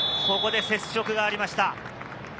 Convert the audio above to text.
ここで接触がありました。